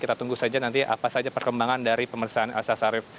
kita tunggu saja nanti apa saja perkembangan dari pemeriksaan elsa syarif